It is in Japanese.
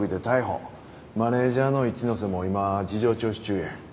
マネジャーの一ノ瀬も今事情聴取中や。